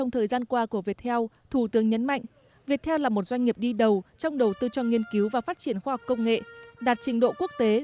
thủ tướng nguyễn xuân phúc